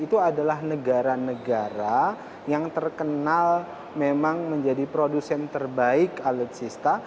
itu adalah negara negara yang terkenal memang menjadi produsen terbaik alutsista